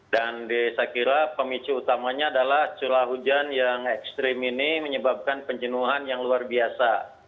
dan di sakira pemicu utamanya adalah curah hujan yang ekstrim ini menyebabkan penjenuhan yang luar biasa